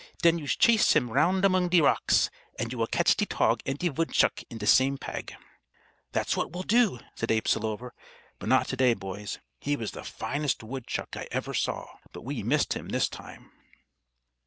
Den you shace him round among de rocks, and you will catch de tog ant de vootshuck into de same pag." "That's what we'll do," said Abe Selover. "But not to day, boys. He was the finest woodchuck I ever saw, but we've missed him this time."